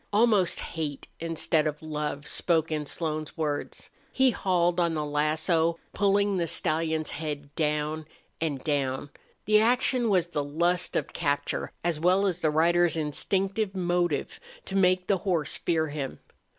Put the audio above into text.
Almost hate, instead of love, spoke in Slone's words. He hauled on the lasso, pulling the stallion's head down and down. The action was the lust of capture as well as the rider's instinctive motive to make the horse fear him.